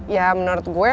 ya menurut gue